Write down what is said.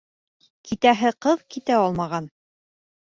Китәһе ҡыҙ китә алмаған.